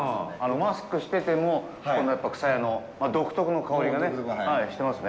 マスクしてても、この「くさや」の独特の香りがね、してますね。